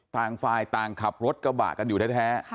ต่างฝ่ายต่างขับรถกระบะกันอยู่แท้